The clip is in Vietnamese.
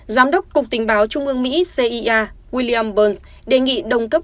giám đốc cục tình báo trung ương mỹ cia william burns đề nghị đồng cấp